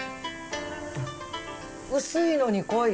薄いのに濃い。